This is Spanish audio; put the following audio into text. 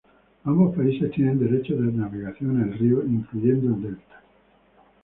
Ambos países tienen derechos de navegación en el río, incluyendo el delta.